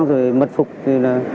thổi đi thổi đi